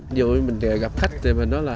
ví dụ như mình gặp khách thì mình nói là